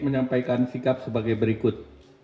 menyampaikan sikap sebagai berikut